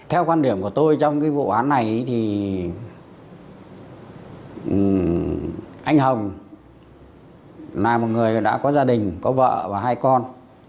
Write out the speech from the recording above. theo quan điểm của tôi trong cái vụ án này thì anh hồng là một người đã có gia đình có vợ và hai con